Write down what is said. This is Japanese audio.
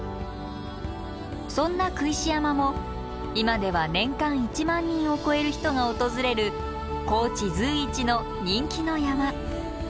そんな工石山も今では年間１万人を超える人が訪れる高知随一の人気の山。